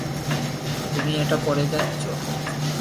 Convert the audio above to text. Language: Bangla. তুমি এটা পরে যাচ্ছ?